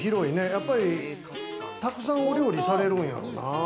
やっぱり、たくさんをお料理されるんやろうな。